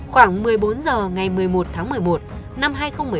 khoảng một mươi bốn h ngày một mươi một tháng một mươi một năm hai nghìn một mươi ba